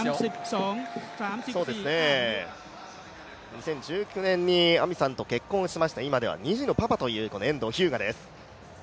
２０１９年に亜実さんと結婚しまして、今では２児のパパという遠藤日向です。